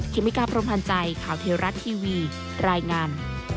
เมกาพรมพันธ์ใจข่าวเทวรัฐทีวีรายงาน